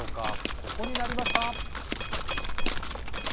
ここになりました。